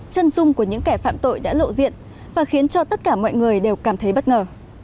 chân dung của những kẻ phạm tội đã lộ diện và khiến cho tất cả mọi người đều cảm thấy bất ngờ